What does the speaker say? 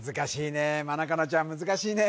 難しいね